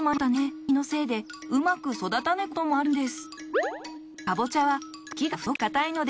天気や病気のせいでうまく育たないこともあるんです。